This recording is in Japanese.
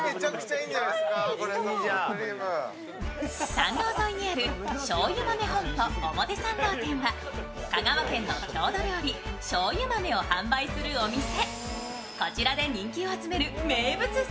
参道沿いにあるしょうゆ豆本舗参道店は香川県の郷土料理、しょうゆ豆を販売するお店。